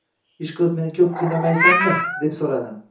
Ishqilib, meni ko‘p qiynamaysanmi? — deb so‘radi.